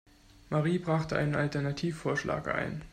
Marie brachte einen Alternativvorschlag ein.